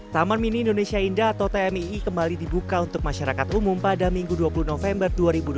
taman mini indonesia indah atau tmii kembali dibuka untuk masyarakat umum pada minggu dua puluh november dua ribu dua puluh